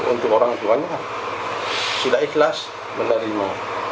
untuk orang tuanya sudah ikhlas menerima